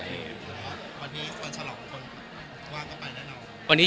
วันนี้ความสะหรับคนว่างก็ไปแน่นอน